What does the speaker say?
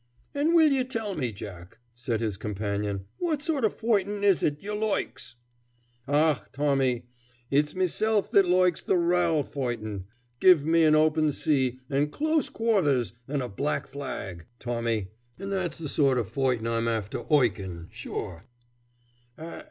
"An' will ye tell me, Jack," said his companion, "what sort of foightin' it is, ye loikes?" "Ah, Tommy, it's mesilf that loikes the raal foightin'. Give me an open sea, an' close quarthers, an' a black flag, Tommy, an' that's the sort of foightin' I'm afther 'oikin', sure."